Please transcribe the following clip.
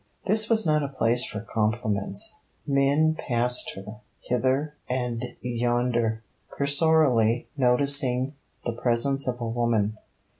This was not a place for compliments. Men passed her, hither and yonder, cursorily noticing the presence of a woman.